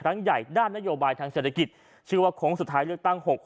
ใหญ่ด้านนโยบายทางเศรษฐกิจชื่อว่าโค้งสุดท้ายเลือกตั้ง๖๖